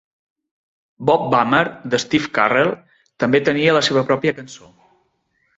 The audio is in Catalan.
Bob Bummer, de Steve Carell, també tenia la seva pròpia cançó.